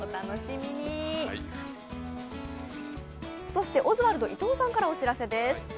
そして、オズワルド伊藤さんからお知らせです。